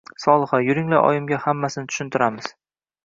Solixa: yuringlar oyimga xammasini tushuntiramiz...